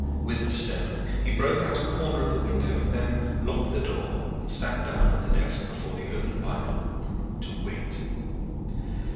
With the stone he broke out a corner of the window and then locked the door and sat down at the desk before the open Bible to wait.